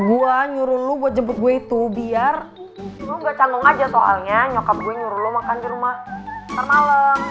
gue nyuruh lu buat jemput gue itu biar lo gak canggung aja soalnya nyokap gue nyuruh lo makan di rumah ntar malam